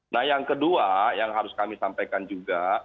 nah yang kedua yang harus kami sampaikan juga